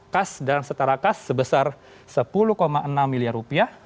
kas dan setara kas sebesar rp sepuluh enam miliar